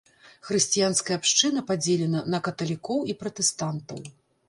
Хрысціянская абшчына падзелена на каталікоў і пратэстантаў.